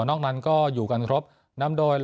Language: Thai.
นอกนั้นก็อยู่กันครับ